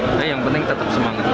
saya yang penting tetap semangat